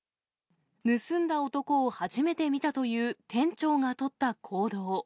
盗んだ男を初めて見たという店長が取った行動。